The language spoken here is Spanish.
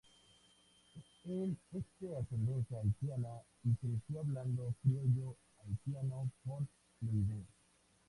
Él es de ascendencia haitiana y creció hablando criollo haitiano con fluidez.